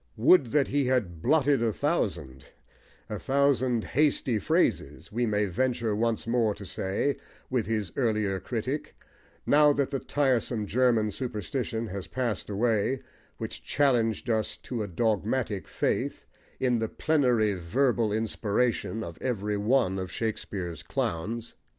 "Would that he had blotted a thousand" a thousand hasty phrases, we may venture once more to say with his earlier critic, now that the tiresome German superstition has passed away which challenged us to a dogmatic faith in the plenary verbal inspiration of every one of Shakespeare's clowns.